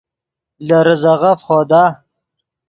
لے ریزے غف خودا